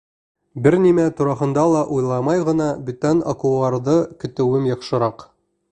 Бер нимә тураһында ла уйламай ғына бүтән акулаларҙы көтөүем яҡшыраҡ.